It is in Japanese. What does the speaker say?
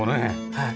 はい。